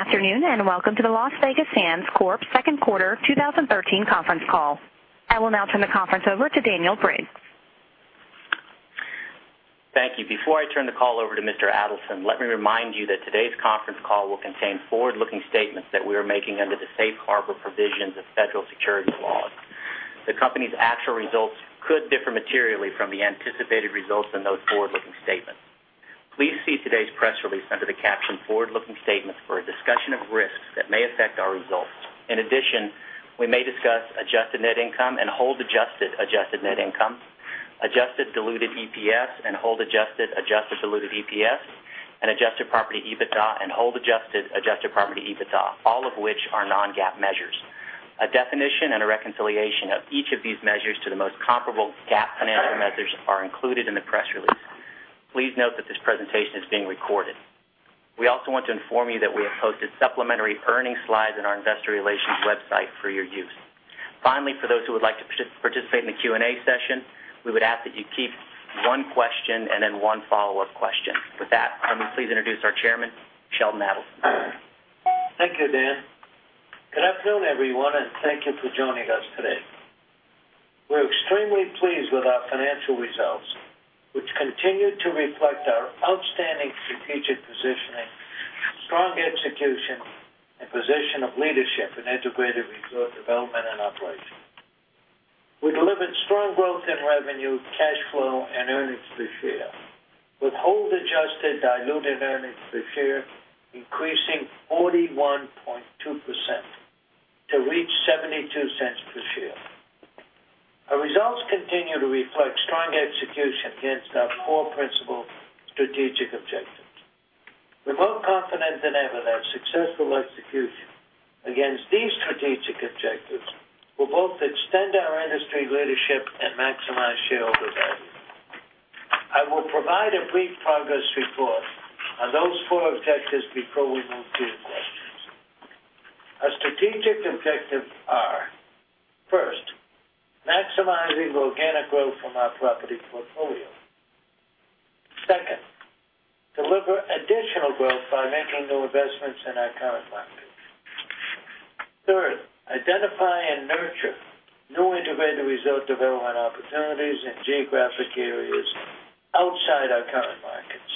Afternoon, welcome to Las Vegas Sands Corp. second quarter 2013 conference call. I will now turn the conference over to Daniel Briggs. Thank you. Before I turn the call over to Mr. Adelson, let me remind you that today's conference call will contain forward-looking statements that we are making under the safe harbor provisions of federal securities laws. The company's actual results could differ materially from the anticipated results in those forward-looking statements. Please see today's press release under the caption Forward-looking Statements for a discussion of risks that may affect our results. In addition, we may discuss adjusted net income and hold adjusted adjusted net income, adjusted diluted EPS and hold adjusted adjusted diluted EPS, and adjusted property EBITDA and hold adjusted adjusted property EBITDA, all of which are non-GAAP measures. A definition and a reconciliation of each of these measures to the most comparable GAAP financial measures are included in the press release. Please note that this presentation is being recorded. We also want to inform you that we have posted supplementary earnings slides in our investor relations website for your use. Finally, for those who would like to participate in the Q&A session, we would ask that you keep one question and then one follow-up question. With that, let me please introduce our Chairman, Sheldon Adelson. Thank you, Dan. Good afternoon, everyone, thank you for joining us today. We're extremely pleased with our financial results, which continue to reflect our outstanding strategic positioning, strong execution, and position of leadership in integrated resort development and operation. We delivered strong growth in revenue, cash flow, and earnings per share, with hold-adjusted diluted earnings per share increasing 41.2% to reach $0.72 per share. Our results continue to reflect strong execution against our core principal strategic objectives. We're both confident and evident successful execution against these strategic objectives will both extend our industry leadership and maximize shareholder value. I will provide a brief progress report on those four objectives before we move to your questions. Our strategic objectives are, first, maximizing organic growth from our property portfolio. Second, deliver additional growth by making new investments in our current markets. Third, identify and nurture new integrated resort development opportunities in geographic areas outside our current markets.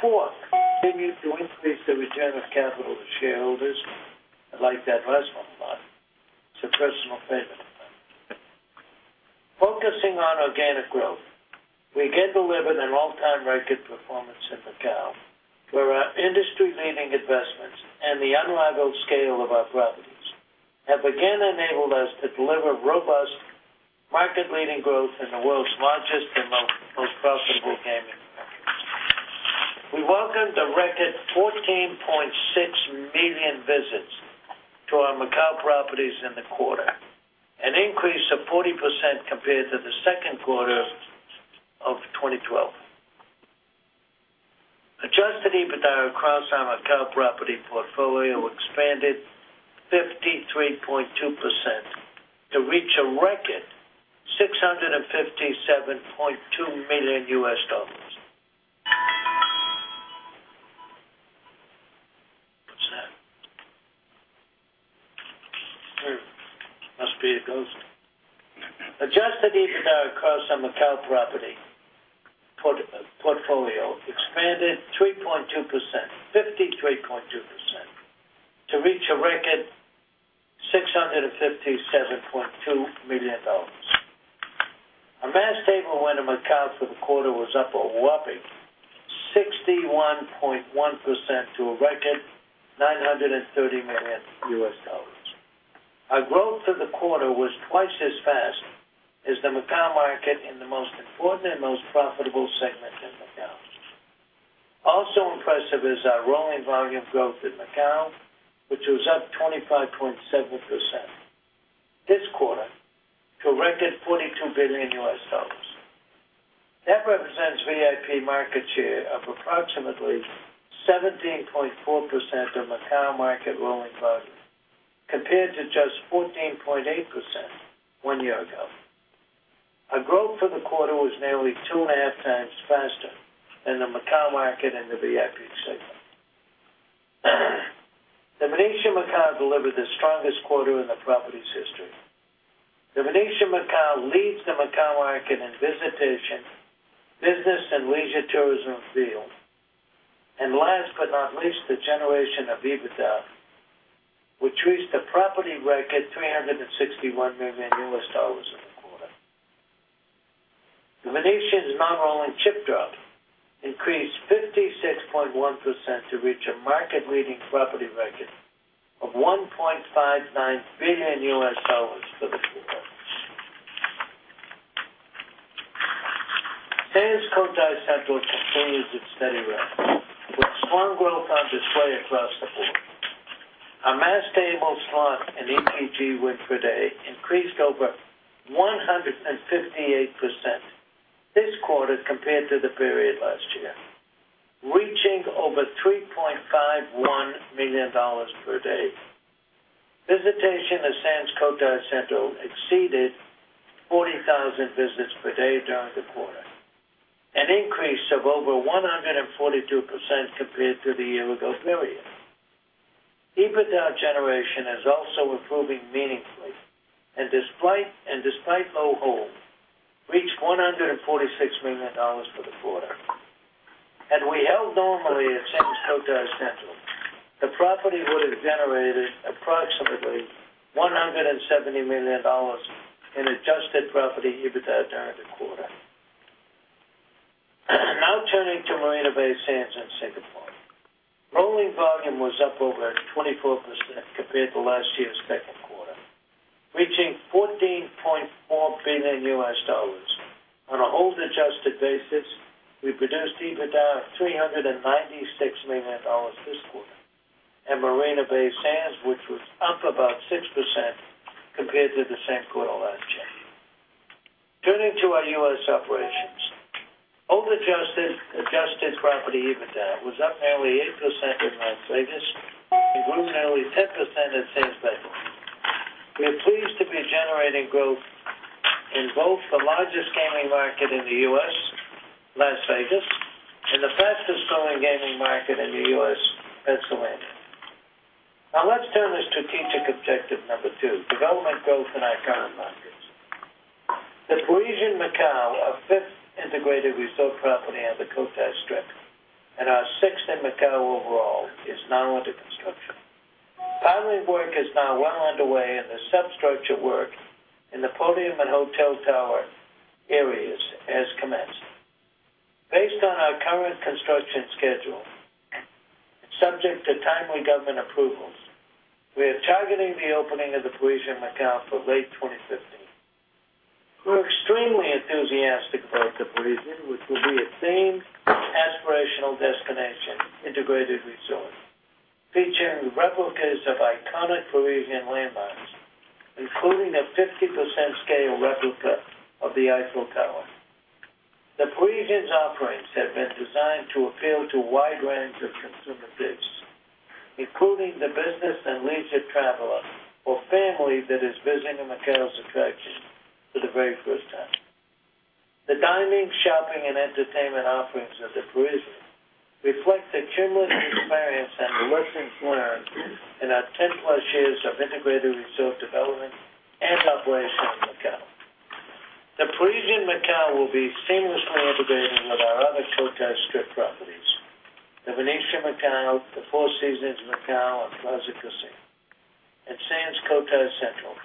Fourth, continue to increase the return of capital to shareholders. I like that last one a lot. It's a personal favorite of mine. Focusing on organic growth, we again delivered an all-time record performance in Macau, where our industry-leading investments and the unrivaled scale of our properties have again enabled us to deliver robust, market-leading growth in the world's largest and most profitable gaming market. We welcomed a record 14.6 million visits to our Macau properties in the quarter, an increase of 40% compared to the second quarter of 2012. Adjusted EBITDA across our Macau property portfolio expanded 53.2% to reach a record $657.2 million. What's that? Must be a ghost. Adjusted EBITDA across our Macau property portfolio expanded 53.2%, to reach a record $657.2 million. Our mass table win in Macau for the quarter was up a whopping 61.1% to a record $930 million. Our growth for the quarter was twice as fast as the Macau market in the most important and most profitable segment in Macau. Also impressive is our rolling volume growth in Macau, which was up 25.7% this quarter to a record $42 billion. That represents VIP market share of approximately 17.4% of Macau market rolling volume, compared to just 14.8% one year ago. Our growth for the quarter was nearly two and a half times faster than the Macau market in the VIP segment. The Venetian Macao delivered the strongest quarter in the property's history. The Venetian Macao leads the Macau market in visitation, business and leisure tourism field. Last but not least, the generation of EBITDA, which reached a property record $361 million in the quarter. The Venetian's non-rolling chip drop increased 56.1% to reach a market-leading property record of $1.59 billion for the quarter. Sands Cotai Central continues its steady rise, with strong growth on display across the board. Our mass table slot and ETG win per day increased over 158% this quarter compared to the period last year, reaching over $3.51 million per day. Visitation to Sands Cotai Central exceeded 40,000 visits per day during the quarter, an increase of over 142% compared to the year-ago period. EBITDA generation is also improving meaningfully, and despite low hold, reached $146 million for the quarter. Had we held normally at Sands Cotai Central, the property would have generated approximately $170 million in adjusted property EBITDA during the quarter. Turning to Marina Bay Sands in Singapore. Rolling volume was up over 24% compared to last year's second quarter, reaching $14.4 billion. On a hold-adjusted basis, we produced EBITDA of $396 million this quarter at Marina Bay Sands, which was up about 6% compared to the same quarter last year. Turning to our U.S. operations. Hold-adjusted adjusted property EBITDA was up nearly 8% in Las Vegas and grew nearly 10% in Sands Bethlehem. We're pleased to be generating growth in both the largest gaming market in the U.S., Las Vegas, and the fastest-growing gaming market in the U.S., Pennsylvania. Let's turn to strategic objective number two, development growth in our current markets. The Parisian Macao, our fifth integrated resort property on the Cotai Strip, and our sixth in Macau overall, is now under construction. Piling work is now well underway, and the substructure work in the podium and hotel tower areas has commenced. Based on our current construction schedule, and subject to timely government approvals, we are targeting the opening of The Parisian Macao for late 2015. We're extremely enthusiastic about The Parisian, which will be a themed, aspirational destination integrated resort featuring replicas of iconic Parisian landmarks, including a 50% scale replica of the Eiffel Tower. The Parisian's offerings have been designed to appeal to a wide range of consumer tastes, including the business and leisure traveler or family that is visiting Macao's attractions for the very first time. The dining, shopping, and entertainment offerings of The Parisian reflect the tremendous experience and the lessons learned in our 10-plus years of integrated resort development and operation in Macao. The Parisian Macao will be seamlessly integrated with our other Cotai Strip properties, The Venetian Macao, the Four Seasons Macao at The Plaza Casino, and Sands Cotai Central,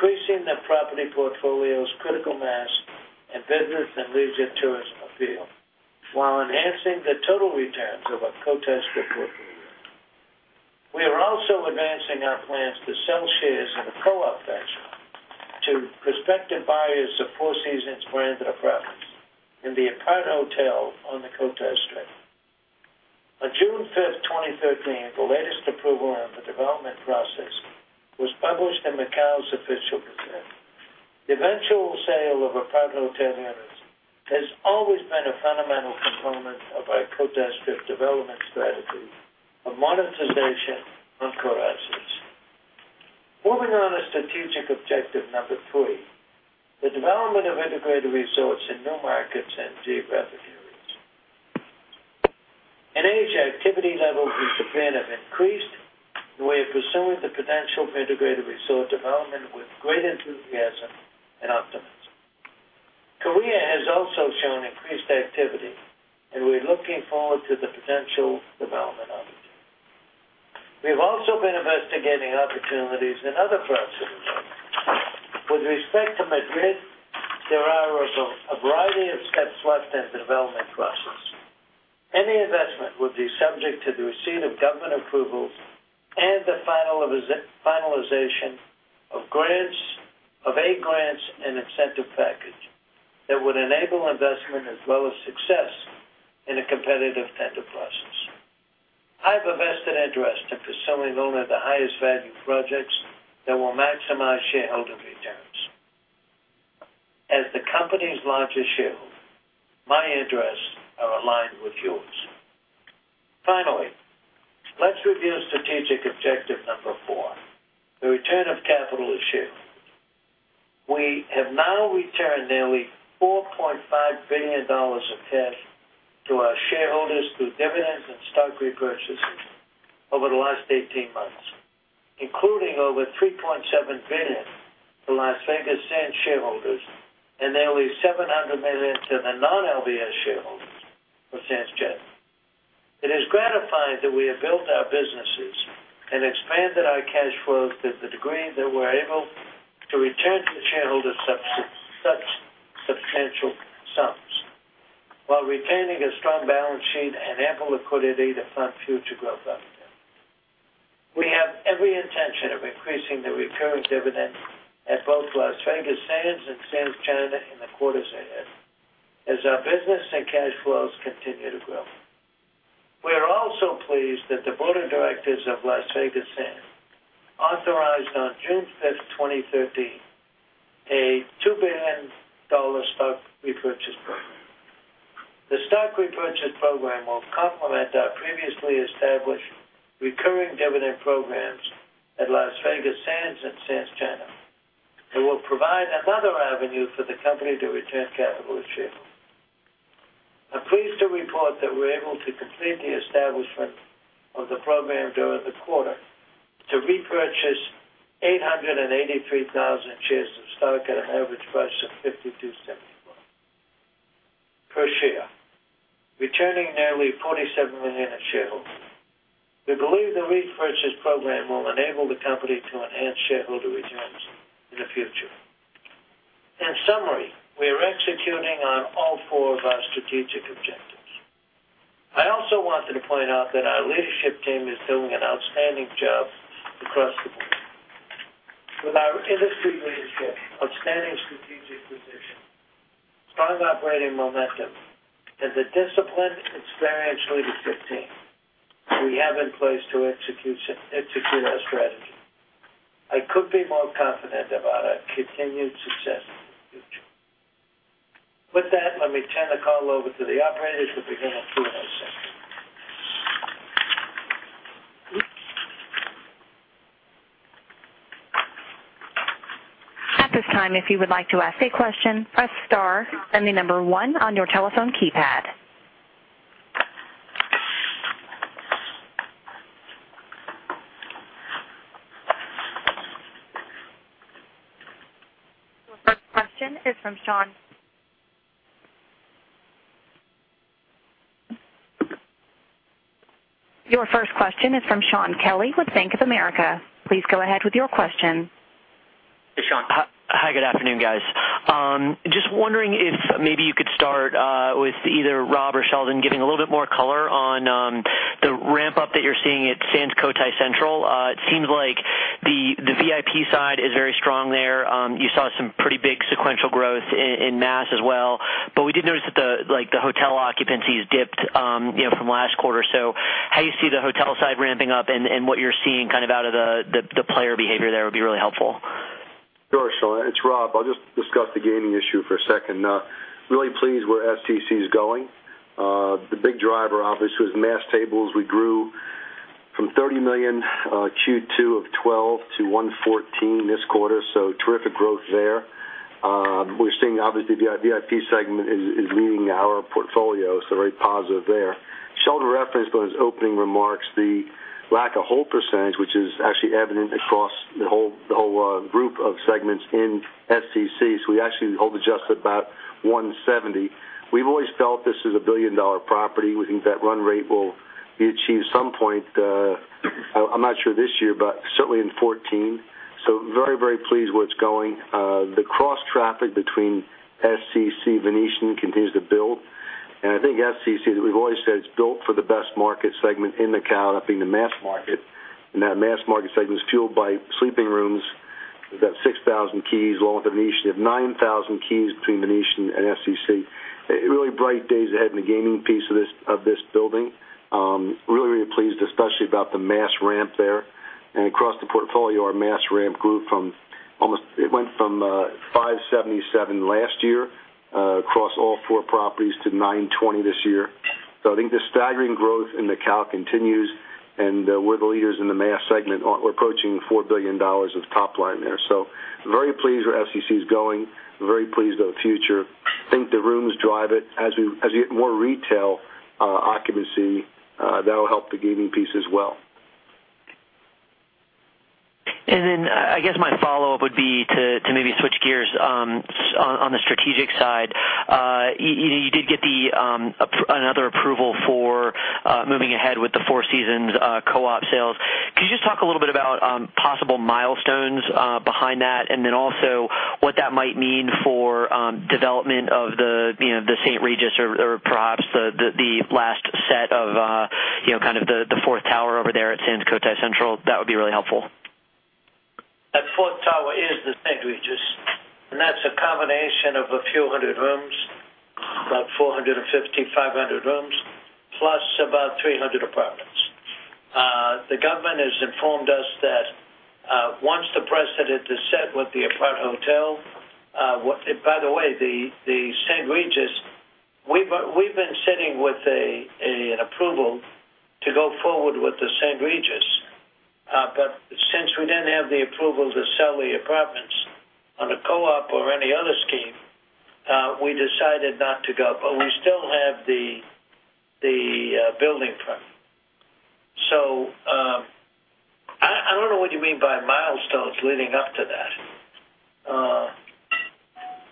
increasing the property portfolio's critical mass and business and leisure tourism appeal while enhancing the total returns of our Cotai Strip portfolio. We are also advancing our plans to sell shares in a co-op fashion to prospective buyers of Four Seasons-branded properties in the apart-hotel on the Cotai Strip. On June 5, 2013, the latest approval in the development process was published in Macao's official gazette. The eventual sale of apart-hotel units has always been a fundamental component of our Cotai Strip development strategy of monetization of core assets. Moving on to strategic objective number 3, the development of integrated resorts in new markets and geographic areas. In Asia, activity levels in Japan have increased, and we are pursuing the potential for integrated resort development with great enthusiasm and optimism. Korea has also shown increased activity, and we're looking forward to the potential development opportunity. We've also been investigating opportunities in other parts of the world. With respect to Madrid, there are a variety of steps left in the development process. Any investment would be subject to the receipt of government approvals and the finalization of aid grants and incentive package that would enable investment as well as success in a competitive tender process. I have a vested interest in pursuing only the highest-value projects that will maximize shareholder returns. As the company's largest shareholder, my interests are aligned with yours. Finally, let's review strategic objective number 4, the return of capital to shareholders. We have now returned nearly $4.5 billion of cash to our shareholders through dividends and stock repurchases over the last 18 months, including over $3.7 billion to Las Vegas Sands shareholders and nearly $700 million to the non-LVS shareholders of Sands China. It is gratifying that we have built our businesses and expanded our cash flow to the degree that we're able to return to the shareholders such substantial sums while retaining a strong balance sheet and ample liquidity to fund future growth opportunities. We have every intention of increasing the recurring dividend at both Las Vegas Sands and Sands China in the quarters ahead as our business and cash flows continue to grow. We are also pleased that the board of directors of Las Vegas Sands authorized on June 5, 2013, a $2 billion stock repurchase program Repurchase program will complement our previously established recurring dividend programs at Las Vegas Sands and Sands China. It will provide another avenue for the company to return capital to shareholders. I'm pleased to report that we're able to complete the establishment of the program during the quarter to repurchase 883,000 shares of stock at an average price of $52.74 per share, returning nearly $47 million to shareholders. We believe the repurchase program will enable the company to enhance shareholder returns in the future. In summary, we are executing on all four of our strategic objectives. I also wanted to point out that our leadership team is doing an outstanding job across the board. With our industry leadership, outstanding strategic position, strong operating momentum, and the disciplined, experienced leadership team we have in place to execute our strategy, I couldn't be more confident about our continued success in the future. Let me turn the call over to the operator to begin our Q&A session. At this time, if you would like to ask a question, press star, then the number 1 on your telephone keypad. Your first question is from Shaun. Your first question is from Shaun Kelley with Bank of America. Please go ahead with your question. Shaun. Hi. Good afternoon, guys. Just wondering if maybe you could start with either Rob or Sheldon giving a little bit more color on the ramp-up that you're seeing at Sands Cotai Central. It seems like the VIP side is very strong there. You saw some pretty big sequential growth in mass as well. We did notice that the hotel occupancies dipped from last quarter. How you see the hotel side ramping up, and what you're seeing out of the player behavior there would be really helpful. Sure, Shaun. It's Rob. I'll just discuss the gaming issue for a second. Really pleased where SCC is going. The big driver, obviously, was mass tables. We grew from $30 million Q2 2012 to $114 this quarter, so terrific growth there. We're seeing, obviously, the VIP segment is leading our portfolio, so very positive there. Sheldon referenced on his opening remarks, the lack of hold percentage, which is actually evident across the whole group of segments in SCC, so we actually hold adjusted about $170. We've always felt this is a $1 billion-dollar property. We think that run rate will be achieved at some point. I'm not sure this year, but certainly in 2014. Very, very pleased where it's going. The cross traffic between SCC, The Venetian, continues to build. I think SCC, as we've always said, it's built for the best market segment in Macau, that being the mass market. That mass market segment is fueled by sleeping rooms. We've got 6,000 keys, along with The Venetian. We have 9,000 keys between The Venetian and SCC. Really bright days ahead in the gaming piece of this building. Really, really pleased, especially about the mass ramp there. Across the portfolio, our mass ramp grew from almost. It went from 577 last year across all four properties to 920 this year. I think the staggering growth in Macau continues, and we're the leaders in the mass segment. We're approaching $4 billion of top line there. Very pleased where SCC is going. Very pleased about the future. Think the rooms drive it. As you get more retail occupancy, that'll help the gaming piece as well. I guess my follow-up would be to maybe switch gears on the strategic side. You did get another approval for moving ahead with the Four Seasons co-op sales. Could you just talk a little bit about possible milestones behind that, and then also what that might mean for development of the St. Regis or perhaps the last set of the fourth tower over there at Sands Cotai Central? That would be really helpful. That fourth tower is the St. Regis, and that's a combination of a few hundred rooms, about 450, 500 rooms, plus about 300 apartments. The government has informed us that once the precedent is set with the apart-hotel. By the way, the St. Regis, we've been sitting with an approval to go forward with the St. Regis. Since we didn't have the approval to sell the apartments on a co-op or any other scheme, we decided not to go. We still have the building permit. I don't know what you mean by milestones leading up to that.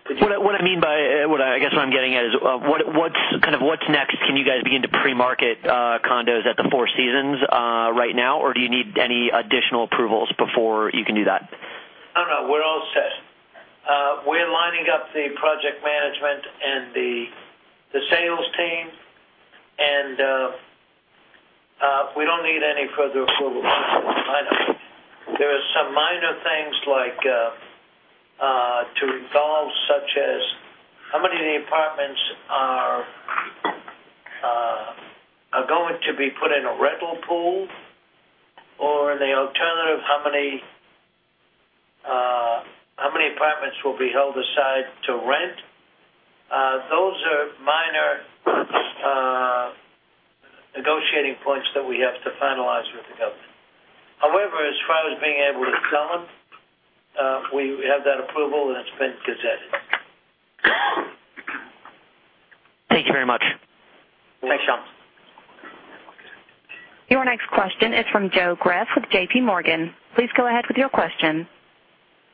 What I mean by, I guess what I'm getting at is, what's next? Can you guys begin to pre-market condos at the Four Seasons right now, or do you need any additional approvals before you can do that? Oh, no, we're all set. We're lining up the project management and the sales team, and we don't need any further approvals. There are some minor things to resolve, such as how many of the apartments are going to be put in a rental pool, or the alternative, how many Will be held aside to rent. Those are minor negotiating points that we have to finalize with the government. However, as far as being able to sell them, we have that approval, and it's been gazetted. Thank you very much. Thanks, Shaun. Your next question is from Joe Greff with JPMorgan. Please go ahead with your question.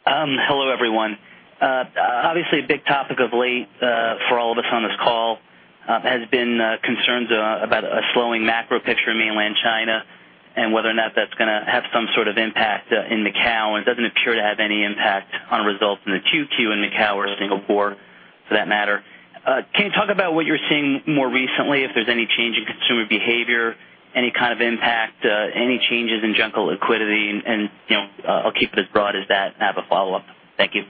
Hello, everyone. Obviously, a big topic of late for all of us on this call has been concerns about a slowing macro picture in mainland China and whether or not that's going to have some sort of impact in Macao. It doesn't appear to have any impact on results in the 2Q in Macao or Singapore for that matter. Can you talk about what you're seeing more recently, if there's any change in consumer behavior, any kind of impact, any changes in junket liquidity, I'll keep it as broad as that and have a follow-up. Thank you.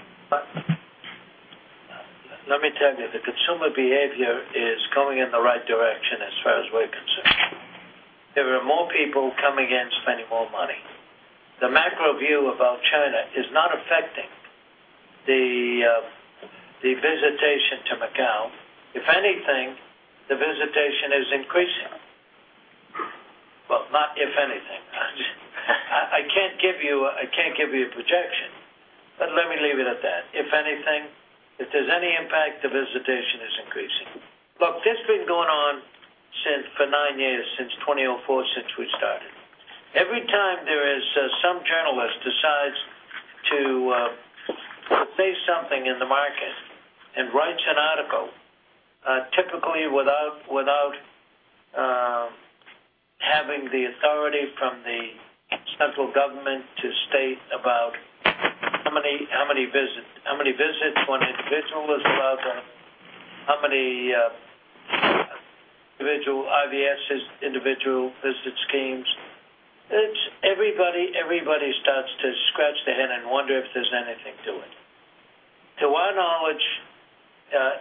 Let me tell you, the consumer behavior is going in the right direction as far as we're concerned. There are more people coming in spending more money. The macro view about China is not affecting the visitation to Macao. If anything, the visitation is increasing. Well, not if anything. I can't give you a projection, let me leave it at that. If anything, if there's any impact, the visitation is increasing. This has been going on for nine years, since 2004, since we started. Every time there is some journalist decides to say something in the market and writes an article, typically without having the authority from the central government to state about how many visits one individual is allowed, or how many individual IVS, individual visit schemes. Everybody starts to scratch their head and wonder if there's anything to it. To our knowledge,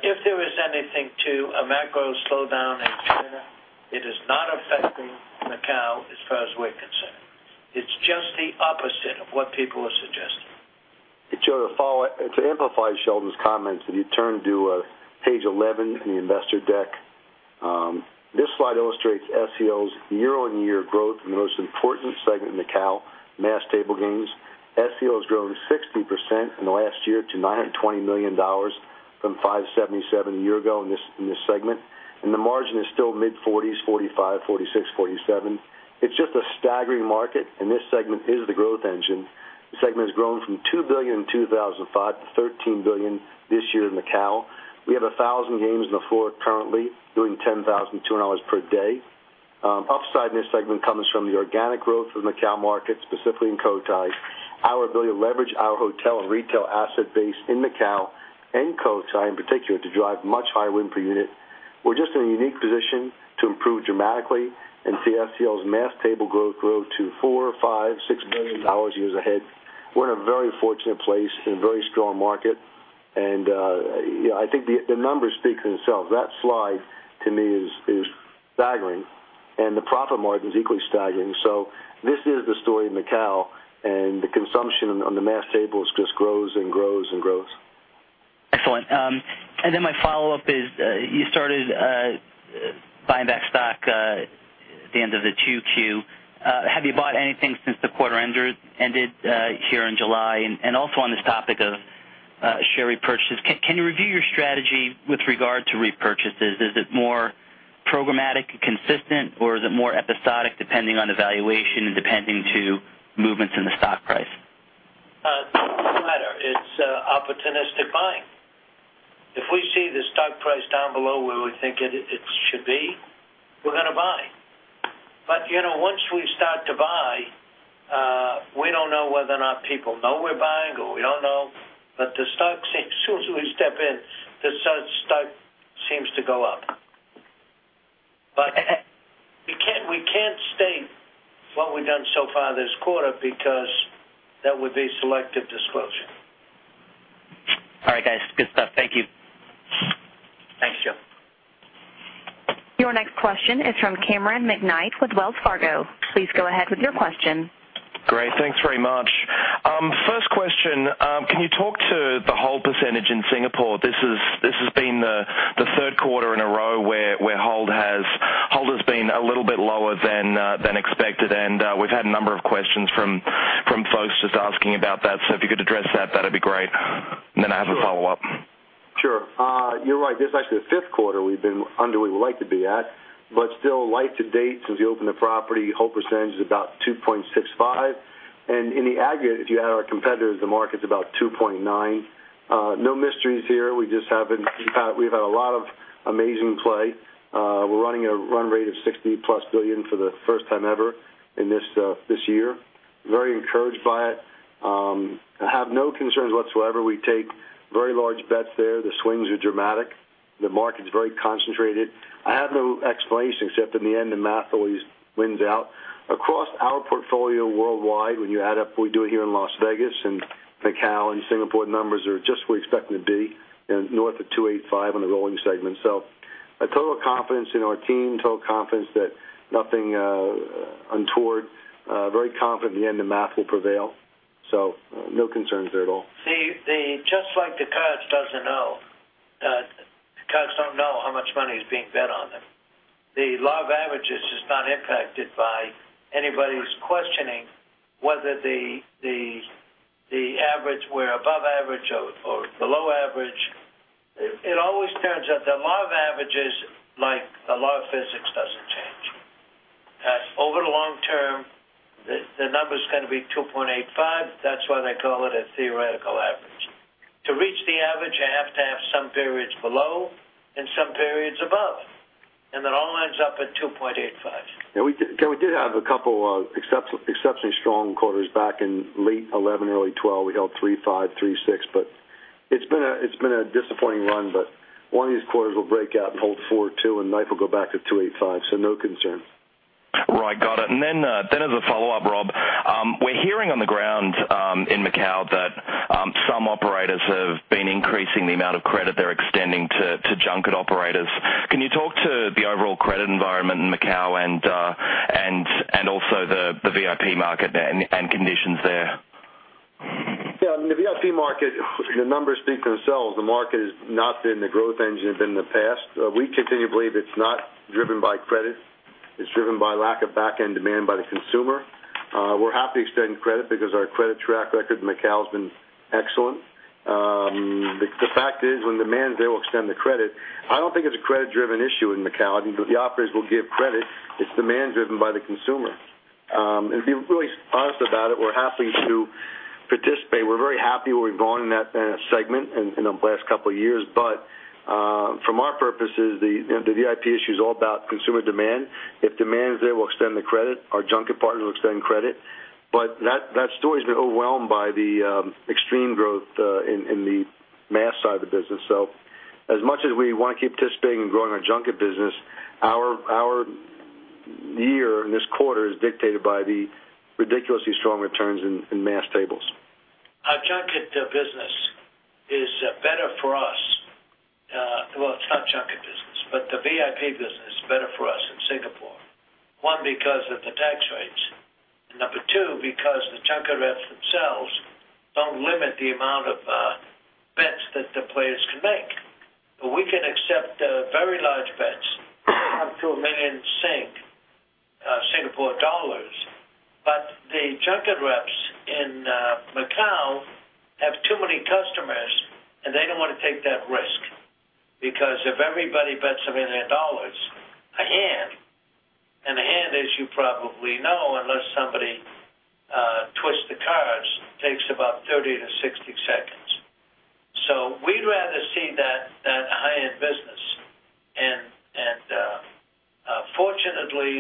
if there is anything to a macro slowdown in China, it is not affecting Macao as far as we're concerned. It's just the opposite of what people are suggesting. Joe, to amplify Sheldon's comments, if you turn to page 11 in the investor deck. This slide illustrates SCL's year-on-year growth in the most important segment in Macao, mass table games. SCL has grown 60% in the last year to $920 million from $577 million a year ago in this segment. The margin is still mid-40s, 45%, 46%, 47%. It's just a staggering market, and this segment is the growth engine. The segment has grown from $2 billion in 2005 to $13 billion this year in Macao. We have 1,000 games on the floor currently, doing $10,200 per day. Upside in this segment comes from the organic growth of the Macao market, specifically in Cotai. Our ability to leverage our hotel and retail asset base in Macao and Cotai in particular to drive much higher win per unit. We're just in a unique position to improve dramatically and see SCL's mass table grow to $4 billion, $5 billion, $6 billion years ahead. We're in a very fortunate place in a very strong market. I think the numbers speak for themselves. That slide, to me, is staggering. The profit margin is equally staggering. This is the story in Macao. The consumption on the mass tables just grows and grows and grows. Excellent. My follow-up is, you started buying back stock at the end of the 2Q. Have you bought anything since the quarter ended here in July? Also on this topic of share repurchases, can you review your strategy with regard to repurchases? Is it more programmatic, consistent, or is it more episodic, depending on valuation and depending to movements in the stock price? It's latter. It's opportunistic buying. If we see the stock price down below where we think it should be, we're going to buy. Once we start to buy, we don't know whether or not people know we're buying, or we don't know, but as soon as we step in, the stock seems to go up. We can't state what we've done so far this quarter because that would be selective disclosure. All right, guys. Good stuff. Thank you. Thanks, Joe. Your next question is from Cameron McKnight with Wells Fargo. Please go ahead with your question. Great. Thanks very much. First question, can you talk to the hold percentage in Singapore? This has been the third quarter in a row where hold has been a little bit lower than expected, we've had a number of questions from folks just asking about that. If you could address that'd be great. I have a follow-up. Sure. You're right. This is actually the fifth quarter we've been under where we'd like to be at, but still light to date since we opened the property. Hold percentage is about 2.65%. In the aggregate, if you add our competitors, the market's about 2.9%. No mysteries here. We've had a lot of amazing play. We're running a run rate of $60 billion-plus for the first time ever this year. Very encouraged by it. I have no concerns whatsoever. We take very large bets there. The swings are dramatic. The market's very concentrated. I have no explanation except in the end, the math always wins out. Across our portfolio worldwide, when you add up what we do here in Las Vegas and Macao and Singapore, numbers are just where we expect them to be, north of 2.85% on a rolling segment. Total confidence in our team, total confidence that nothing untoward. Very confident in the end, the math will prevail. No concerns there at all. See, just like the cards don't know how much money is being bet on them. The law of averages is not impacted by anybody's questioning whether the average were above average or below average. It always turns out the law of averages, like the law of physics, doesn't change. Over the long term, the number's going to be 2.85%. That's why they call it a theoretical average. To reach the average, you have to have some periods below and some periods above, and it all ends up at 2.85%. Yeah, we did have a couple of exceptionally strong quarters back in late 2011, early 2012. We held 3.5, 3.6, but it's been a disappointing run, but one of these quarters will break out and hold 4.2, and life will go back to 2.85, so no concern. Right. Got it. As a follow-up, Rob, we're hearing on the ground in Macau that some operators have been increasing the amount of credit they're extending to junket operators. Can you talk to the overall credit environment in Macau and also the VIP market there and conditions there? Yeah. The VIP market, the numbers speak for themselves. The market has not been the growth engine it's been in the past. We continue to believe it's not driven by credit. It's driven by lack of back-end demand by the consumer. We're happy extending credit because our credit track record in Macau has been excellent. The fact is, when demand is there, we'll extend the credit. I don't think it's a credit-driven issue in Macau. The operators will give credit. It's demand driven by the consumer. To be really honest about it, we're happy to participate. We're very happy where we've gone in that segment in the last couple of years. From our purposes, the VIP issue is all about consumer demand. If demand is there, we'll extend the credit. Our junket partners will extend credit. That story's been overwhelmed by the extreme growth in the mass side of the business. As much as we want to keep participating in growing our junket business, our year and this quarter is dictated by the ridiculously strong returns in mass tables. Our junket business is better for us. Well, it's not junket business, but the VIP business is better for us in Singapore. One, because of the tax rates, and number two, because the junket reps themselves don't limit the amount of bets that the players can make. We can accept very large bets, up to SGD 1 million. The junket reps in Macau have too many customers, and they don't want to take that risk because if everybody bets $1 million a hand, and a hand, as you probably know, unless somebody twists the cards, takes about 30 to 60 seconds. We'd rather see that high-end business. Fortunately,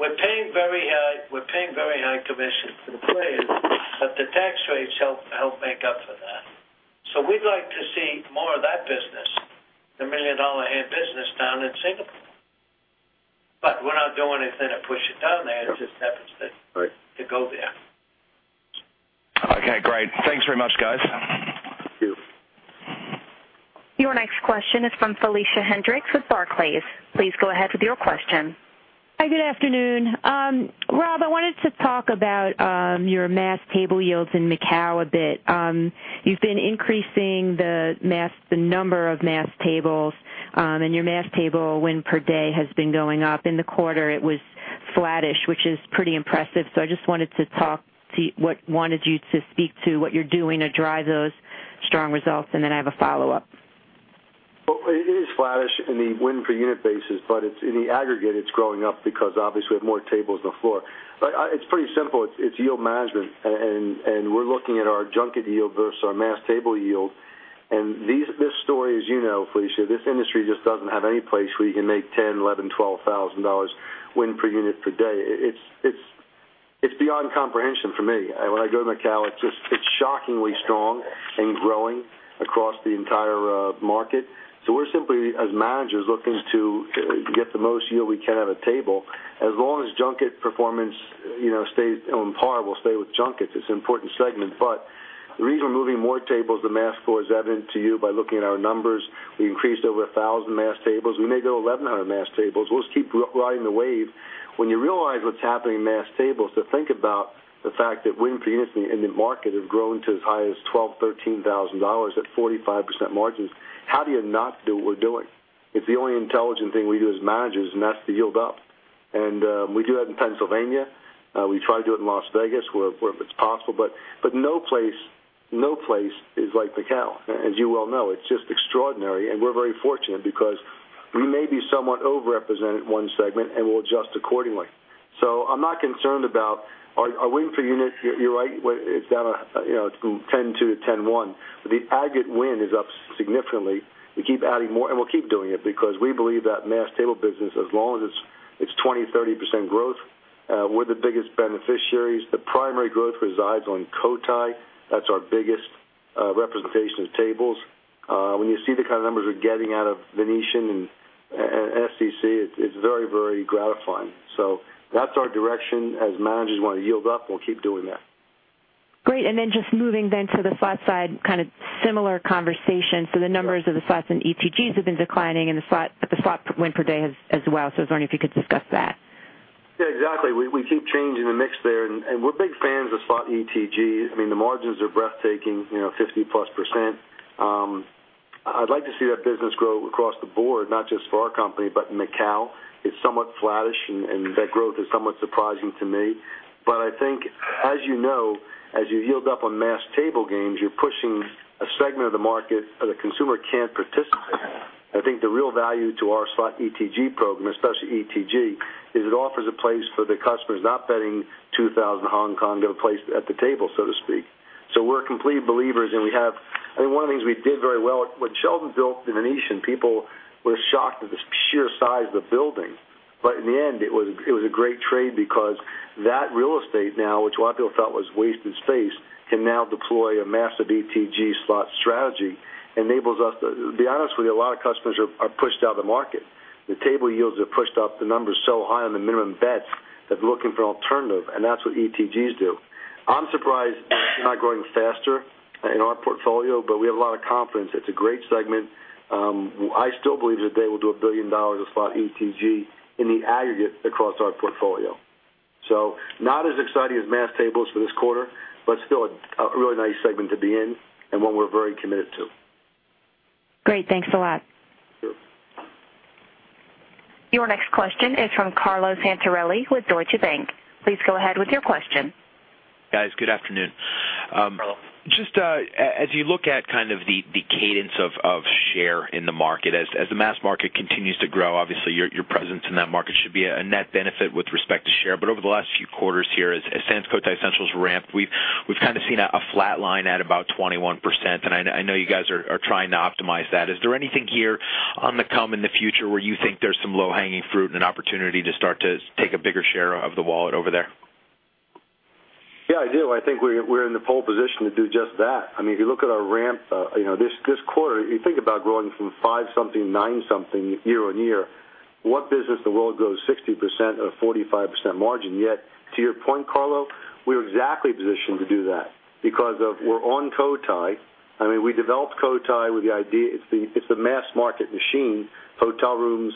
we're paying very high commission for the players, but the tax rates help make up for that. We'd like to see more of that business, the million-dollar a hand business down in Singapore. We're not doing anything to push it down there. It just happens to- Right to go there. Okay, great. Thanks very much, guys. Thank you. Your next question is from Felicia Hendrix with Barclays. Please go ahead with your question. Hi, good afternoon. Rob, I wanted to talk about your mass table yields in Macau a bit. You've been increasing the number of mass tables, and your mass table win per day has been going up. In the quarter, it was flattish, which is pretty impressive. I just wanted you to speak to what you're doing to drive those strong results, and then I have a follow-up. It is flattish in the win per unit basis, but in the aggregate, it's growing up because obviously we have more tables on the floor. It's pretty simple. It's yield management, and we're looking at our junket yield versus our mass table yield. This story, as you know, Felicia, this industry just doesn't have any place where you can make $10,000, $11,000, $12,000 win per unit per day. It's beyond comprehension for me. When I go to Macau, it's shockingly strong and growing across the entire market. We're simply, as managers, looking to get the most yield we can out of table. As long as junket performance stays on par, we'll stay with junkets. It's an important segment. The reason we're moving more tables to mass floor is evident to you by looking at our numbers. We increased over 1,000 mass tables. We may go 1,100 mass tables. We'll just keep riding the wave. When you realize what's happening in mass tables, to think about the fact that win per unit in the market have grown to as high as $12,000-$13,000 at 45% margins, how do you not do what we're doing? It's the only intelligent thing we do as managers, and that's to yield up. We do that in Pennsylvania. We try to do it in Las Vegas, where it's possible. No place is like Macau. As you well know. It's just extraordinary, and we're very fortunate because we may be somewhat overrepresented in one segment, and we'll adjust accordingly. I'm not concerned about our win per unit. You're right. It's down from $10.2 to $10.1. The aggregate win is up significantly. We keep adding more, and we'll keep doing it because we believe that mass table business, as long as it's 20%-30% growth, we're the biggest beneficiaries. The primary growth resides on Cotai. That's our biggest representation of tables. When you see the kind of numbers we're getting out of The Venetian and SCC, it's very, very gratifying. That's our direction as managers want to yield up, we'll keep doing that. Great. Just moving then to the slot side, kind of similar conversation. The numbers of the slots and ETGs have been declining, but the slot win per day has as well. I was wondering if you could discuss that. Exactly. We keep changing the mix there, and we're big fans of slot ETG. I mean, the margins are breathtaking, 50%-plus. I'd like to see that business grow across the board, not just for our company, but in Macau, it's somewhat flattish, and that growth is somewhat surprising to me. I think, as you know, as you yield up on mass table games, you're pushing a segment of the market where the consumer can't participate. I think the real value to our slot ETG program, especially ETG, is it offers a place for the customers not betting 2,000 Hong Kong get a place at the table, so to speak. We're complete believers, and we have I mean, one of the things we did very well, when Sheldon built The Venetian, people were shocked at the sheer size of the building. In the end, it was a great trade because that real estate now, which a lot of people felt was wasted space, can now deploy a massive ETG slot strategy. To be honest with you, a lot of customers are pushed out of the market. The table yields are pushed up, the numbers so high on the minimum bets that customers are looking for an alternative, and that's what ETGs do. I'm surprised it's not growing faster in our portfolio, but we have a lot of confidence. It's a great segment. I still believe that they will do $1 billion of slot ETG in the aggregate across our portfolio. Not as exciting as mass tables for this quarter, but still a really nice segment to be in and one we're very committed to. Great. Thanks a lot. Sure. Your next question is from Carlo Santarelli with Deutsche Bank. Please go ahead with your question. Guys, good afternoon. Carlo. Just as you look at kind of the cadence of share in the market, as the mass market continues to grow, obviously your presence in that market should be a net benefit with respect to share. Over the last few quarters here, as Sands Cotai Central's ramped, we've kind of seen a flat line at about 21%, and I know you guys are trying to optimize that. Is there anything here on the come in the future where you think there's some low-hanging fruit and an opportunity to start to take a bigger share of the wallet over there? Yeah, I do. I think we're in the pole position to do just that. I mean, if you look at our ramp this quarter, you think about growing from five something, nine something year-on-year. What business in the world grows 60% at a 45% margin? Yet, to your point, Carlo, we're exactly positioned to do that because we're on Cotai. I mean, we developed Cotai with the idea, it's the mass market machine, hotel rooms,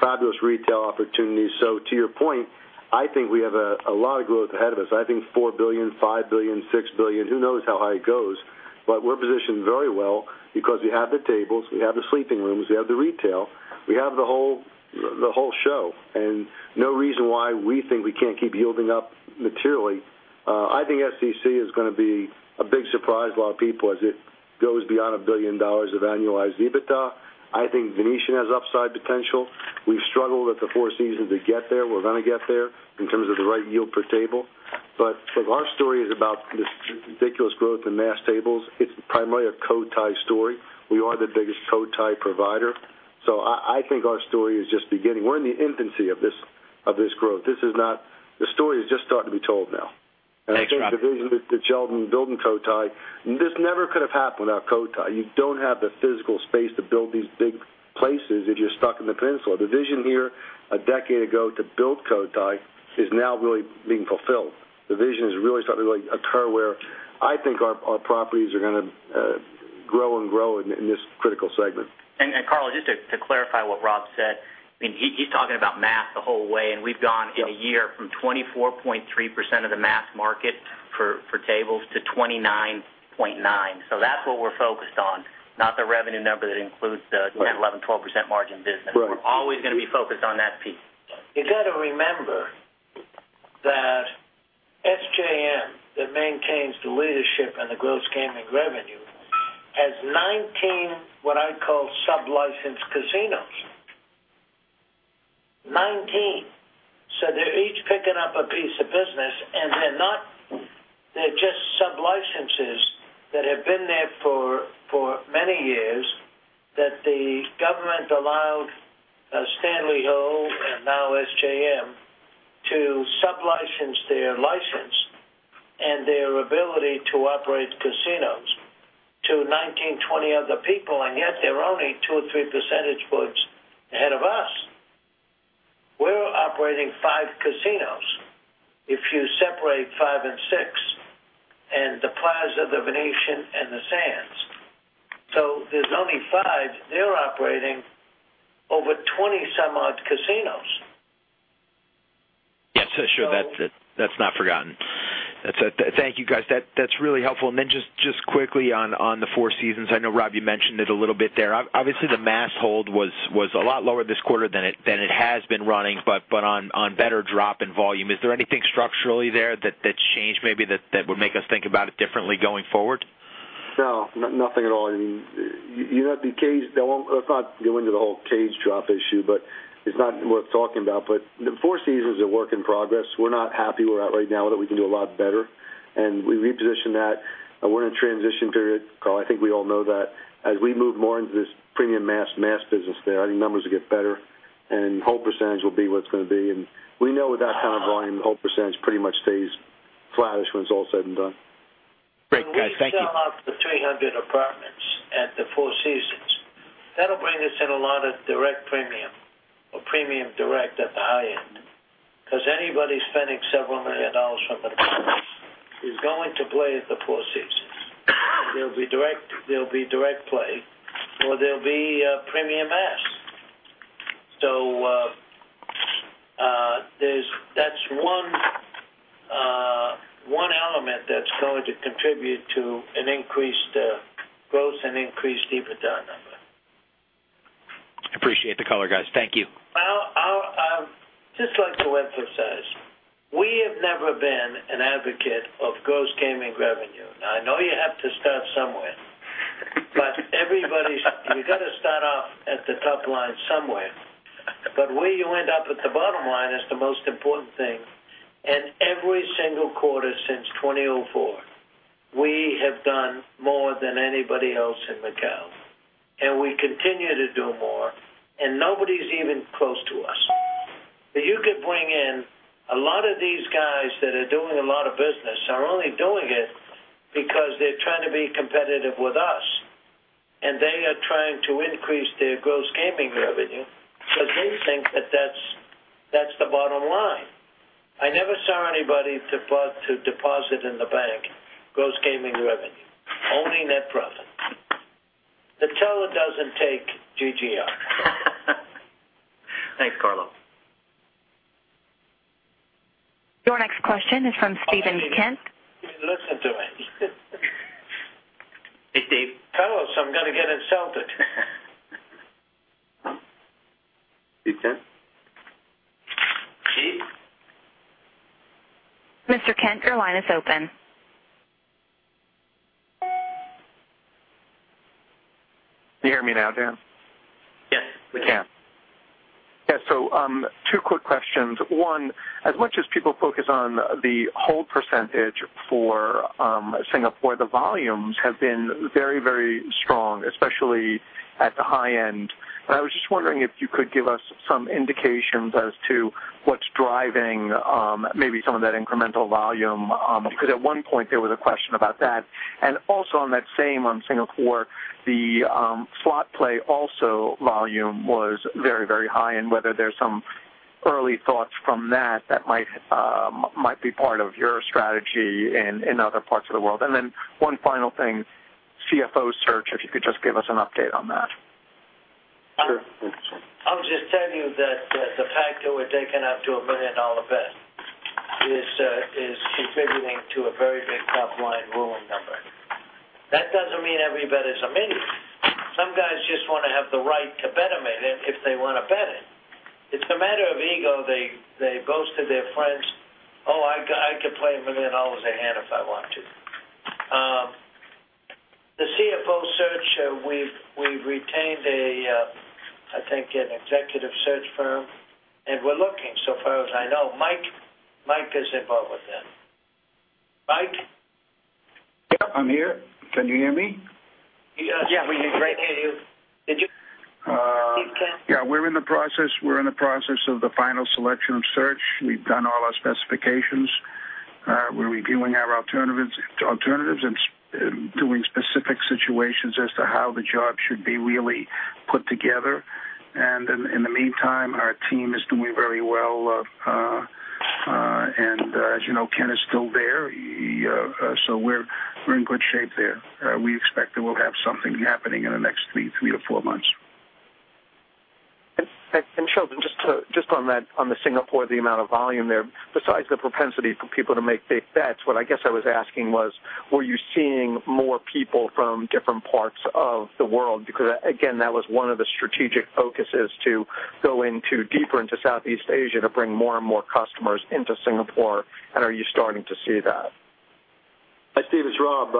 fabulous retail opportunities. To your point, I think we have a lot of growth ahead of us. I think $4 billion, $5 billion, $6 billion, who knows how high it goes. We're positioned very well because we have the tables, we have the sleeping rooms, we have the retail, we have the whole show, and no reason why we think we can't keep yielding up materially. I think SCC is going to be a big surprise to a lot of people as it goes beyond $1 billion of annualized EBITDA. I think The Venetian has upside potential. We've struggled at The Four Seasons to get there. We're going to get there in terms of the right yield per table. If our story is about this ridiculous growth in mass tables, it's primarily a Cotai story. We are the biggest Cotai provider. I think our story is just beginning. We're in the infancy of this growth. The story is just starting to be told now. Thanks, Rob. I think the vision that Sheldon built in Cotai, this never could have happened without Cotai. You don't have the physical space to build these big places if you're stuck in the peninsula. The vision here 10 years ago to build Cotai is now really being fulfilled. The vision is really starting to occur where I think our properties are going to grow and grow in this critical segment. Carlo, just to clarify what Rob said, I mean, he's talking about mass the whole way, and we've gone in a year from 24.3% of the mass market for tables to 29.9%. That's what we're focused on, not the revenue number that includes the Right 11%, 12% margin business. Right. We're always going to be focused on that piece. You have to remember that SJM, that maintains the leadership and the gross gaming revenue, has 19, what I call sub-licensed casinos. 19. They're each picking up a piece of business, and they're just sub-licenses that have been there for many years that the government allowed Stanley Ho and now SJM to sub-license their license and their ability to operate casinos to 19, 20 other people, and yet they're only two or three percentage points ahead of us. We're operating five casinos. If you separate five and six, and The Plaza, The Venetian, and The Sands. There's only five. They're operating over 20 some odd casinos. Yes, sure. That's it. That's not forgotten. Thank you, guys. That's really helpful. Then just quickly on the Four Seasons, I know, Rob, you mentioned it a little bit there. Obviously, the mass hold was a lot lower this quarter than it has been running, but on better drop in volume. Is there anything structurally there that's changed maybe that would make us think about it differently going forward? No, nothing at all. I mean, let's not go into the whole cage drop issue, but it's not worth talking about. The Four Seasons is a work in progress. We're not happy where we're at right now, that we can do a lot better, and we repositioned that. We're in a transition period, Carlo. I think we all know that. As we move more into this premium mass business there, I think numbers will get better, and hold percentage will be what it's going to be. We know with that kind of volume, the hold percentage pretty much stays flattish when it's all said and done. When we sell out the 300 apartments at the Four Seasons, that'll bring us in a lot of direct premium or premium direct at the high end. Because anybody spending several million dollars from the top is going to play at the Four Seasons. There'll be direct play or there'll be premium mass. That's one element that's going to contribute to an increased gross and increased EBITDA number. Appreciate the color, guys. Thank you. I would just like to emphasize, we have never been an advocate of gross gaming revenue. I know you have to start somewhere, but you got to start off at the top line somewhere. Where you end up at the bottom line is the most important thing. Every single quarter since 2004, we have done more than anybody else in Macau, and we continue to do more, and nobody's even close to us. You could bring in a lot of these guys that are doing a lot of business are only doing it because they're trying to be competitive with us, and they are trying to increase their gross gaming revenue because they think that that's the bottom line. I never saw anybody deposit in the bank gross gaming revenue, only net profit. The teller doesn't take GGR. Thanks, Carlo. Your next question is from Steven Kent. You listen to him. Hey, Steve. Tell us I'm going to get insulted. Steve Kent? Steve? Mr. Kent, your line is open. Can you hear me now, Dan? Yes, we can. Yeah. Two quick questions. One, as much as people focus on the hold percentage for Singapore, the volumes have been very strong, especially at the high end. I was just wondering if you could give us some indications as to what's driving maybe some of that incremental volume. Because at one point, there was a question about that. Also on that same, on Singapore, the slot play also volume was very high, and whether there's some early thoughts from that that might be part of your strategy in other parts of the world. Then one final thing, CFO search, if you could just give us an update on that. Sure. I'll just tell you that the fact that we're taking up to a million-dollar bet is contributing to a very big top-line rolling number. That doesn't mean every bet is a million. Some guys just want to have the right to bet a million if they want to bet it. It's a matter of ego. They boast to their friends, "Oh, I could play $1 million a hand if I want to." The CFO search, we've retained I think, an executive search firm, and we're looking so far as I know. Mike is involved with that. Mike? I'm here. Can you hear me? Yeah, we can hear you. Did you? Yeah, we're in the process of the final selection of search. We've done all our specifications. We're reviewing our alternatives and doing specific situations as to how the job should be really put together. In the meantime, our team is doing very well. As you know, Ken is still there, so we're in good shape there. We expect that we'll have something happening in the next three to four months. Sheldon, just on the Singapore, the amount of volume there, besides the propensity for people to make big bets, what I guess I was asking was, were you seeing more people from different parts of the world? Because, again, that was one of the strategic focuses to go deeper into Southeast Asia to bring more and more customers into Singapore, and are you starting to see that? Hi, Steve. It's Rob.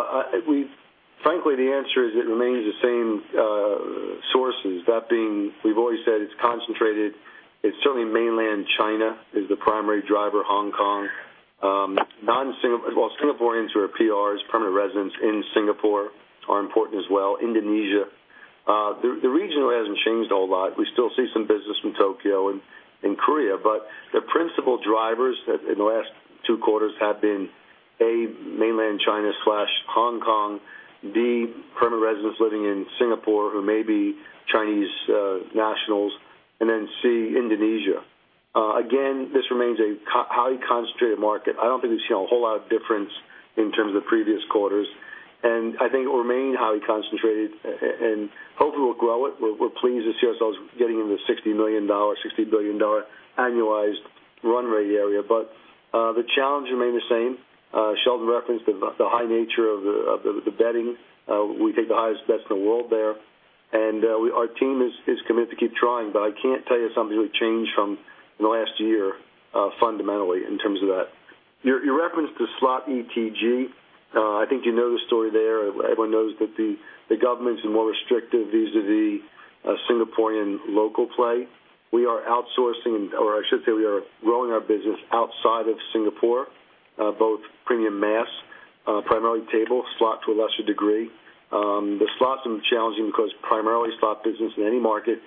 Frankly, the answer is it remains the same sources. That being, we've always said it's concentrated. It's certainly mainland China is the primary driver, Hong Kong. Singaporeans who are PRs, permanent residents in Singapore, are important as well. Indonesia. The region really hasn't changed a whole lot. We still see some business from Tokyo and Korea, but the principal drivers in the last two quarters have been, A, mainland China/Hong Kong, B, permanent residents living in Singapore who may be Chinese nationals, and then C, Indonesia. Again, this remains a highly concentrated market. I don't think we've seen a whole lot of difference in terms of previous quarters, and I think it will remain highly concentrated, and hopefully we'll grow it. We're pleased to see ourselves getting in the $60 million, $60 billion annualized run rate area. The challenge remains the same. Sheldon referenced the high nature of the betting. We take the highest bets in the world there, and our team is committed to keep trying. I can't tell you something really changed from the last year, fundamentally, in terms of that. Your reference to slot ETG, I think you know the story there. Everyone knows that the government's more restrictive vis-à-vis Singaporean local play. We are outsourcing, or I should say we are growing our business outside of Singapore, both premium mass, primarily table, slot to a lesser degree. The slots have been challenging because primarily slot business in any market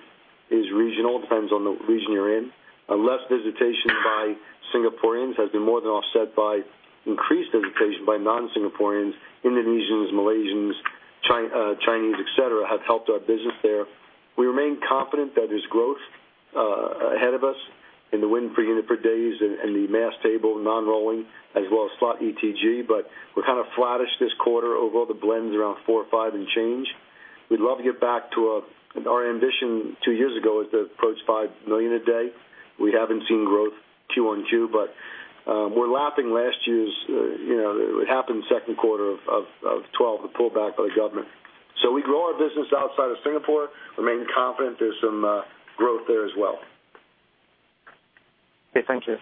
is regional, depends on the region you're in. Less visitation by Singaporeans has been more than offset by increased visitation by non-Singaporeans. Indonesians, Malaysians, Chinese, et cetera, have helped our business there. We remain confident that there's growth ahead of us in the win per unit per days and the mass table, non-rolling, as well as slot ETG. We're kind of flattish this quarter overall. The blend's around four, five, and change. We'd love to get back to our ambition two years ago, is to approach $5 million a day. We haven't seen growth Q1, Q2, but we're lapping last year's. It happened second quarter of 2012, the pullback by the government. We grow our business outside of Singapore, remain confident there's some growth there as well. Okay, thank you.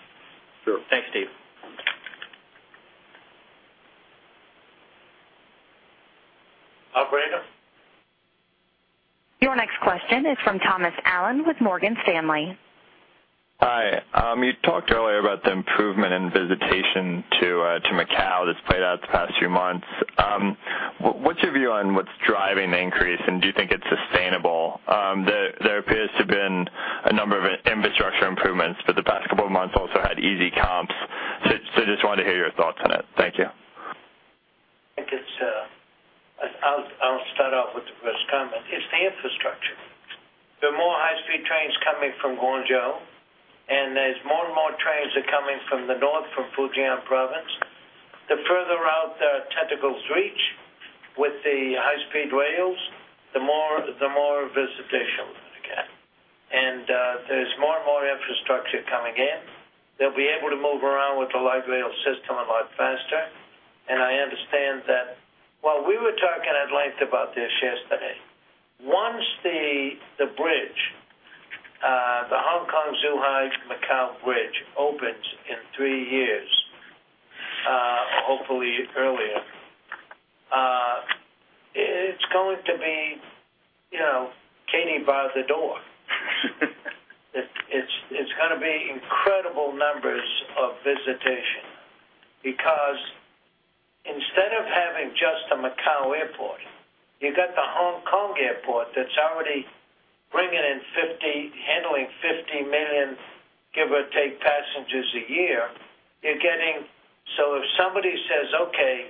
Sure. Thanks, Steve. Operator. Your next question is from Thomas Allen with Morgan Stanley. Hi. You talked earlier about the improvement in visitation to Macau that's played out the past few months. What's your view on what's driving the increase, and do you think it's sustainable? There appears to have been a number of infrastructure improvements, but the past couple of months also had easy comps. Just wanted to hear your thoughts on it. Thank you. I'll start off with the first comment. It's the infrastructure. There are more high-speed trains coming from Guangzhou. There's more and more trains are coming from the north, from Fujian Province. The further out their tentacles reach with the high-speed rails, the more visitation they'll get. There's more and more infrastructure coming in. They'll be able to move around with the light rail system a lot faster. I understand that while we were talking at length about this yesterday, once the bridge, the Hong Kong-Zhuhai-Macau Bridge, opens in three years, hopefully earlier, it's going to be Katy bar the door. It's going to be incredible numbers of visitation because instead of having just a Macau airport, you got the Hong Kong airport that's already bringing in 50 million, give or take, passengers a year. If somebody says, "Okay,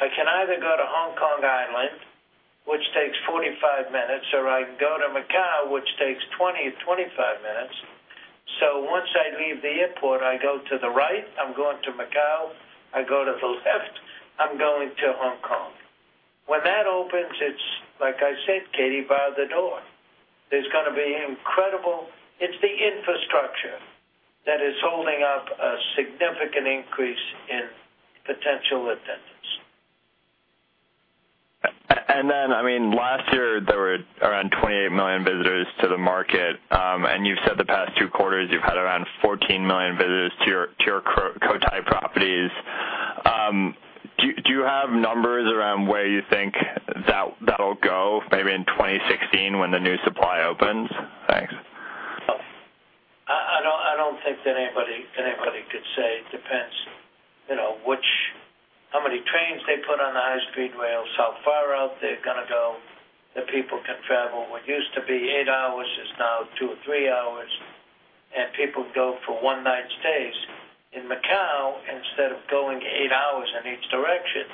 I can either go to Hong Kong Island, which takes 45 minutes, or I can go to Macau, which takes 20 to 25 minutes. Once I leave the airport, I go to the right, I'm going to Macau. I go to the left, I'm going to Hong Kong." When that opens, it's like I said, Katy bar the door. There's going to be incredible. It's the infrastructure that is holding up a significant increase in potential attendance. Last year there were around 28 million visitors to the market. You've said the past two quarters you've had around 14 million visitors to your Cotai properties. Do you have numbers around where you think that'll go maybe in 2016 when the new supply opens? Thanks. I don't think that anybody could say. It depends how many trains they put on the high-speed rails, how far out they're going to go that people can travel. What used to be eight hours is now two or three hours, and people go for one-night stays in Macau instead of going eight hours in each direction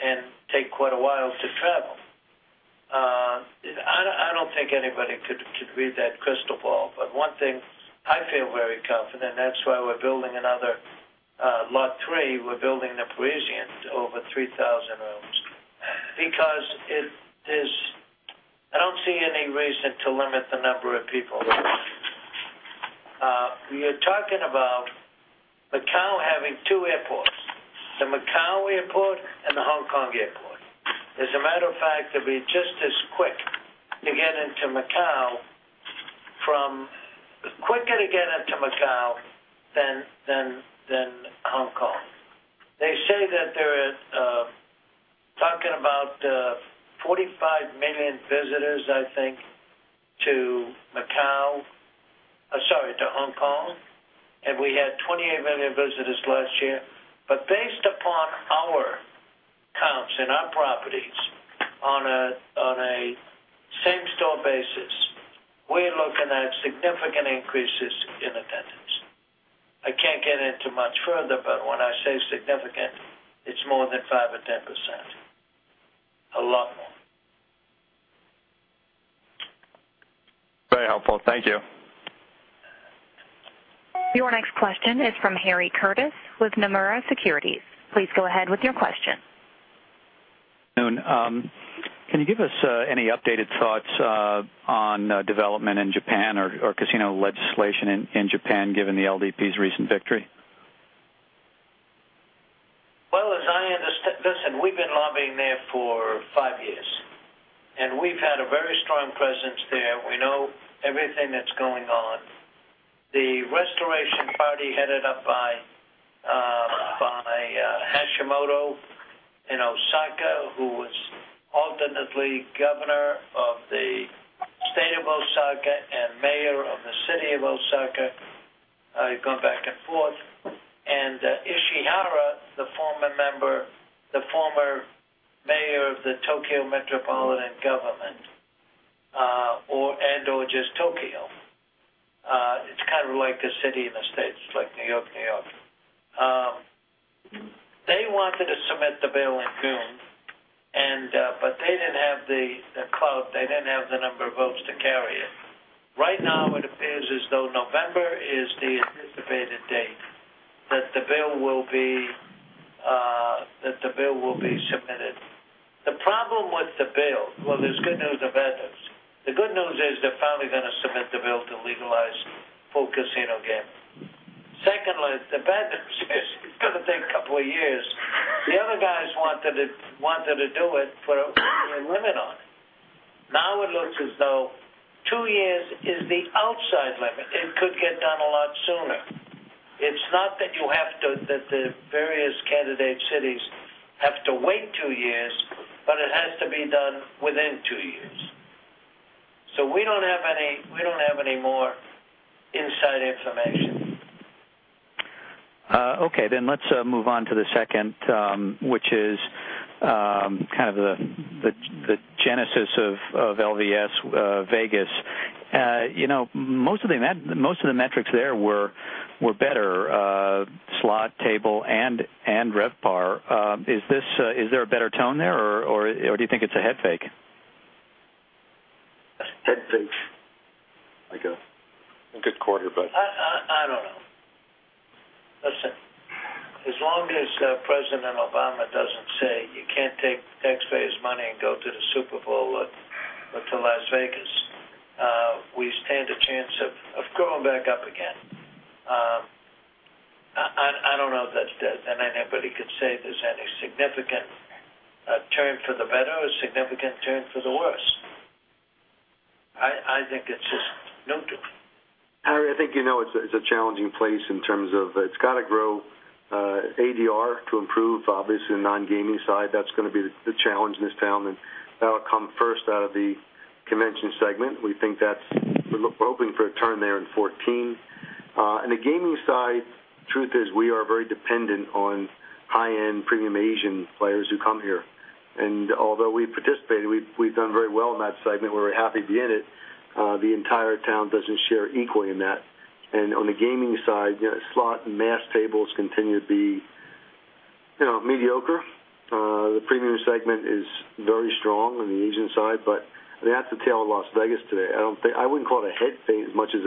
and take quite a while to travel. I don't think anybody could read that crystal ball. One thing I feel very confident, that's why we're building another lot three, we're building The Parisian to over 3,000 rooms. I don't see any reason to limit the number of people. You're talking about Macau having two airports, the Macau airport and the Hong Kong airport. As a matter of fact, it'll be just as quick to get into Macau, quicker to get into Macau than Hong Kong. They say that they're talking about 45 million visitors, I think, to Macau. Sorry, to Hong Kong. We had 28 million visitors last year. Based upon our comps in our properties on a same store basis, we're looking at significant increases in attendance. I can't get into much further, but when I say significant, it's more than 5% or 10%. A lot more. Very helpful. Thank you. Your next question is from Harry Curtis with Nomura Securities. Please go ahead with your question. Can you give us any updated thoughts on development in Japan or casino legislation in Japan given the LDP's recent victory? Listen, we've been lobbying there for 5 years. We've had a very strong presence there. We know everything that's going on. The Restoration Party, headed up by Hashimoto in Osaka, who was alternately governor of the state of Osaka and mayor of the city of Osaka, going back and forth. The former mayor of the Tokyo metropolitan government, and/or just Tokyo. It's kind of like the city and the state, just like New York, New York. They wanted to submit the bill in June, but they didn't have the clout, they didn't have the number of votes to carry it. Right now, it appears as though November is the anticipated date that the bill will be submitted. The problem with the bill, there's good news and bad news. The good news is they're finally going to submit the bill to legalize full casino gambling. The bad news is it's going to take a couple of years. The other guys wanted to do it, put a limit on it. It looks as though two years is the outside limit. It could get done a lot sooner. It's not that the various candidate cities have to wait two years, but it has to be done within two years. We don't have any more inside information. Let's move on to the second, which is kind of the genesis of LVS Vegas. Most of the metrics there were better, slot, table, and REVPAR. Is there a better tone there, or do you think it's a head fake? A head fake. Like a good quarter. I don't know. Listen, as long as President Obama doesn't say you can't take taxpayers' money and go to the Super Bowl or to Las Vegas, we stand a chance of going back up again. I don't know if that's dead, anybody could say there's any significant turn for the better or significant turn for the worse. I think it's just neutral. Harry, I think you know it's a challenging place in terms of it's got to grow ADR to improve, obviously, the non-gaming side. That's going to be the challenge in this town, that'll come first out of the convention segment. We're hoping for a turn there in 2014. On the gaming side, truth is, we are very dependent on high-end premium Asian players who come here. Although we've participated, we've done very well in that segment, we're happy to be in it, the entire town doesn't share equally in that. On the gaming side, slot and mass tables continue to be mediocre. The premium segment is very strong on the Asian side, but that's the tale of Las Vegas today. I wouldn't call it a head fake as much as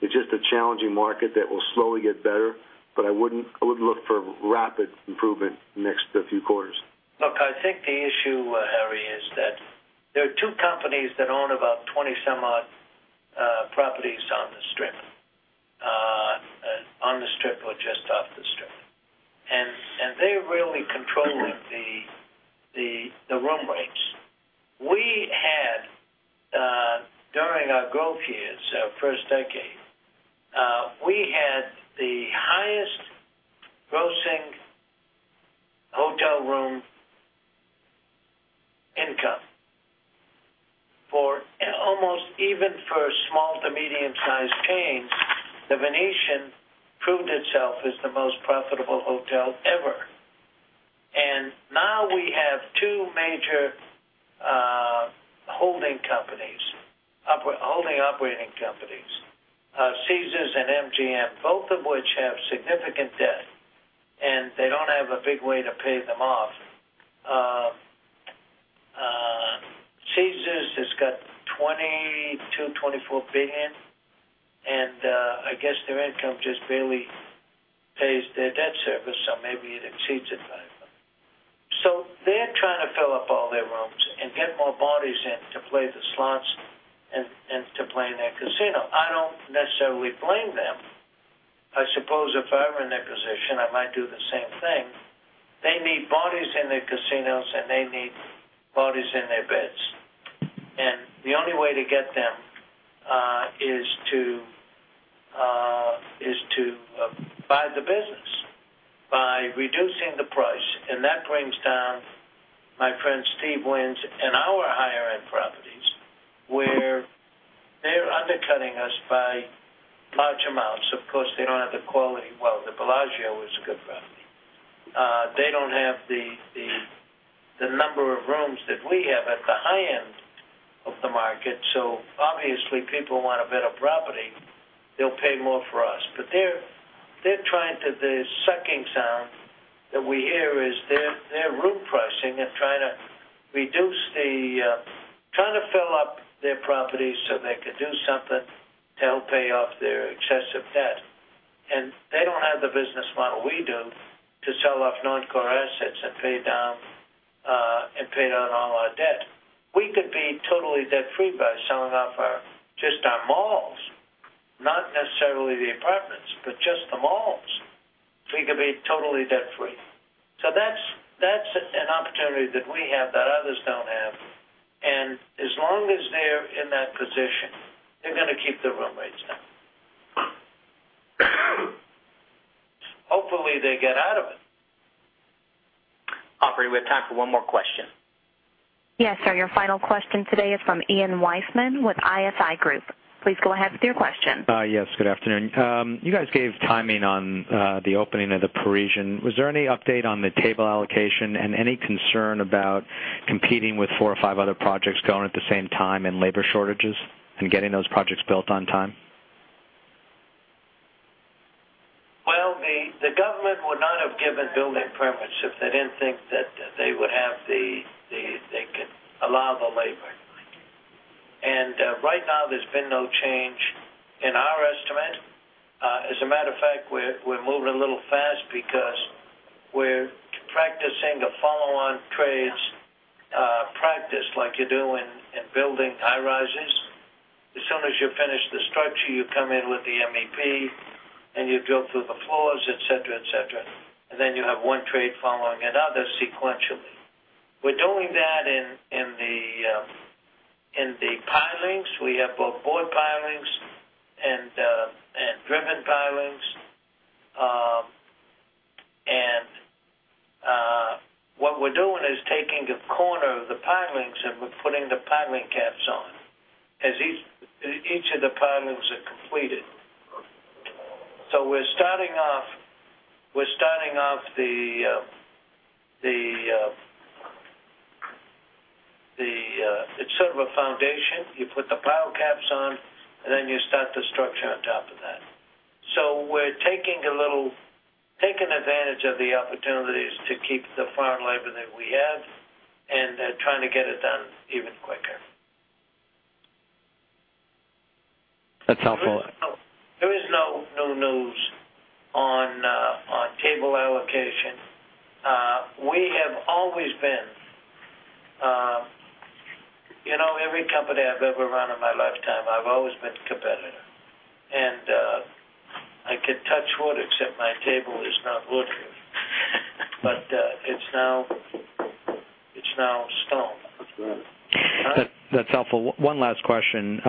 it's just a challenging market that will slowly get better, I wouldn't look for rapid improvement the next few quarters. Look, I think the issue, Harry, is that there are two companies that own about 20-some-odd properties on the Strip, on the Strip or just off the Strip, they're really controlling the room rates. During our growth years, our first decade, we had the highest grossing hotel room income for almost even for small to medium-sized chains. The Venetian proved itself as the most profitable hotel ever. Now we have two major holding operating companies, Caesars and MGM, both of which have significant debt, they don't have a big way to pay them off. Caesars has got $22 billion, $24 billion, I guess their income just barely pays their debt service, or maybe it exceeds it by a bit. They're trying to fill up all their rooms and get more bodies in to play the slots and to play in their casino. I don't necessarily blame them. I suppose if I were in their position, I might do the same thing. They need bodies in their casinos, and they need bodies in their beds. The only way to get them is to buy the business by reducing the price, and that brings down my friend Steve Wynn's and our higher-end properties, where they're undercutting us by large amounts. Of course, they don't have the quality. Well, the Bellagio is a good property. They don't have the number of rooms that we have at the high end of the market, so obviously, people who want a better property, they'll pay more for us. The sucking sound that we hear is their room pricing and trying to fill up their properties so they can do something to help pay off their excessive debt. They don't have the business model we do to sell off non-core assets and pay down all our debt. We could be totally debt free by selling off just our malls. Not necessarily the apartments, but just the malls. We could be totally debt free. That's an opportunity that we have that others don't have, and as long as they're in that position, they're going to keep the room rates down. Hopefully, they get out of it. Operator, we have time for one more question. Yes, sir. Your final question today is from Ian Weissman with ISI Group. Please go ahead with your question. Yes, good afternoon. You guys gave timing on the opening of The Parisian. Was there any update on the table allocation and any concern about competing with four or five other projects going at the same time and labor shortages, and getting those projects built on time? Well, the government would not have given building permits if they didn't think that they could allow the labor. Right now, there's been no change in our estimate. As a matter of fact, we're moving a little fast because we're practicing the follow-on trades practice like you do in building high-rises. As soon as you finish the structure, you come in with the MEP, and you drill through the floors, et cetera. Then you have one trade following another sequentially. We're doing that in the pilings. We have both bore pilings and driven pilings. What we're doing is taking a corner of the pilings, and we're putting the piling caps on as each of the pilings are completed. So we're starting off It's sort of a foundation. You put the pile caps on, and then you start the structure on top of that. We're taking advantage of the opportunities to keep the foreign labor that we have and trying to get it done even quicker. That's helpful. There is no new news on table allocation. Every company I've ever run in my lifetime, I've always been competitive. I could touch wood, except my table is not wood. It's now stone. That's helpful. One last question.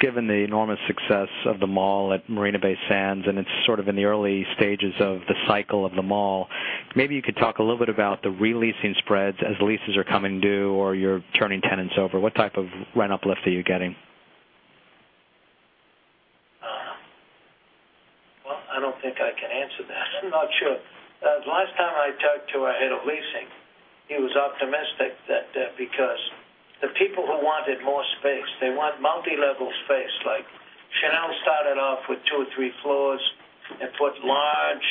Given the enormous success of the mall at Marina Bay Sands, it's sort of in the early stages of the cycle of the mall, maybe you could talk a little bit about the re-leasing spreads as leases are coming due or you're turning tenants over. What type of rent uplift are you getting? Well, I don't think I can answer that. I'm not sure. The last time I talked to our head of leasing, he was optimistic that because the people who wanted more space, they want multi-level space. Chanel started off with two or three floors and put large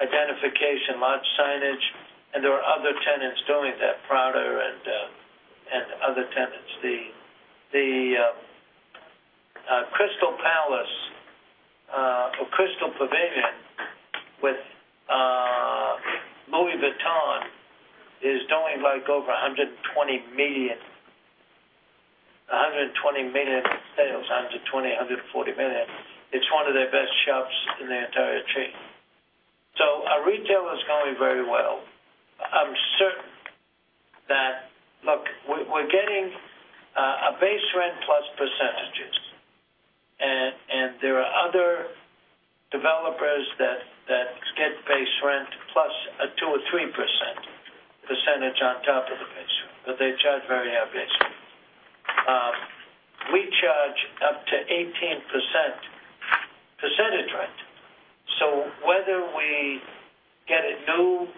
identification, large signage, and there are other tenants doing that, Prada and other tenants. The Crystal Pavilion with Louis Vuitton is doing over $120 million in sales, $120 million-$140 million. It's one of their best shops in the entire chain. Our retail is going very well. I'm certain that, look, we're getting a base rent plus percentages, there are other developers that get base rent plus a 2% or 3% percentage on top of the base rent, they charge a very high base rent. We charge up to 18% percentage rent. Whether we get it new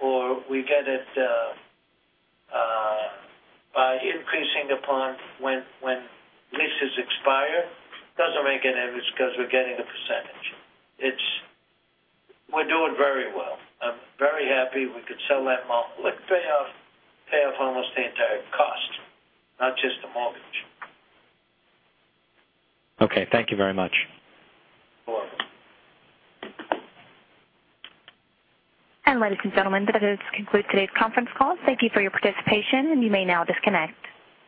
or we get it by increasing upon when leases expire, doesn't make any difference because we're getting a percentage. We're doing very well. I'm very happy we could sell that mall. Look, pay off almost the entire cost, not just the mortgage. Okay. Thank you very much. You're welcome. Ladies and gentlemen, that does conclude today's conference call. Thank you for your participation, and you may now disconnect.